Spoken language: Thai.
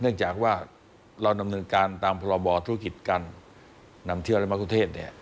เนื่องจากว่าเรานำเนินการตามภาวะบ่อธุรกิจการนำเที่ยวมากกว่าเทศ